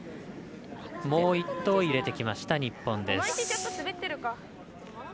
もう１投、入れてきました日本です。